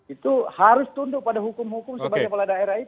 itu harus tunduk pada hukum hukum sebagai peladaerah itu